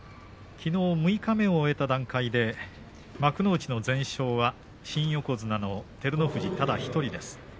きのう六日目を終えた段階で幕内の全勝は新横綱の照ノ富士ただ１人です。